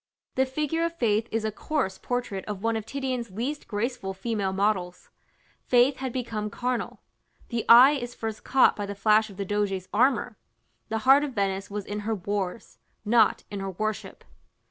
The figure of Faith is a coarse portrait of one of Titian's least graceful female models: Faith had become carnal. The eye is first caught by the flash of the Doge's armor. The heart of Venice was in her wars, not in her worship.